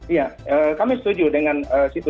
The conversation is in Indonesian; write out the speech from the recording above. iya kami setuju dengan situ